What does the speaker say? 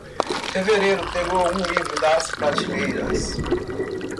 Fevereiro pegou um livro das prateleiras.